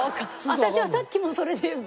私はさっきもそれで。